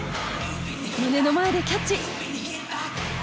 胸の前でキャッチ。